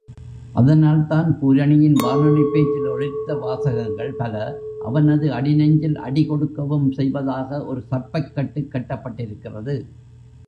அதனால்தான் பூரணியின் வானொலிப்பேச்சில் ஒலித்த வாசகங்கள் பல அவனது அடிநெஞ்சில் அடி கொடுக்கவும் செய்வதாக ஒரு சப்பைக்கட்டுக் கட்டப்பட்டிருக்கிறது.